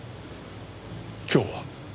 今日は？